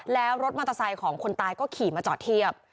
แล้วรถมอเตอร์ไซค์ของคนตายก็ขี่มาจอดเทียบ